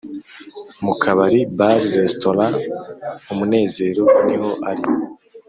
mu kabari (bar-restaurant)"umunezero" niho ari